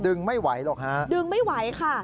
ไม่ไหวหรอกฮะดึงไม่ไหวค่ะ